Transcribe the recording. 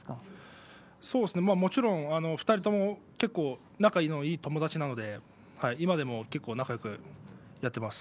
もちろん２人とも結構、仲のいい友達なので今でも結構仲よくやっています。